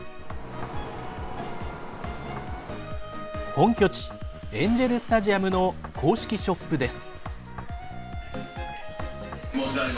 本拠地エンジェルスタジアムの公式ショップです。